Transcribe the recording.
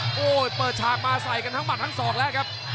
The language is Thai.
โอ้โหเปิดฉากมาใส่กันทั้งหมัดทั้งสองแล้วครับ